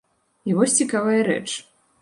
І вось цікавая рэч.